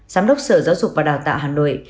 giám đốc sở giáo dục và đào tạo hà nội